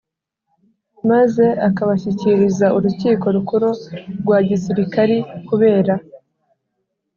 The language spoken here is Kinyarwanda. maze akabashyikiriza urukiko rukuru rwa gisirikari kubera